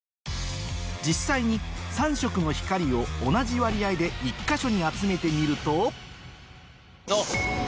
実際に３色の光を同じ割合で１か所に集めてみるとおっ！